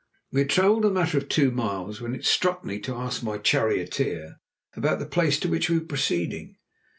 We had travelled a matter of two miles when it struck me to ask my charioteer about the place to which we were proceeding.